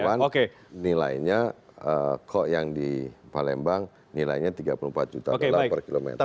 cuman nilainya kok yang di palembang nilainya tiga puluh empat juta dolar per kilometer